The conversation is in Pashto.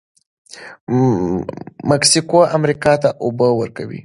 مکسیکو امریکا ته اوبه ورکوي.